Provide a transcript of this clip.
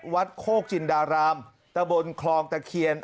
โคกจินดารามตะบนคลองตะเคียน